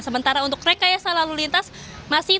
sementara untuk rekayasa lalu lintas masih